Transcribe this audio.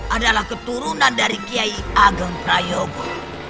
adalah keturunan dari kiai ageng prayogo